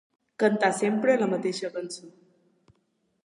Cantar sempre la mateixa cançó.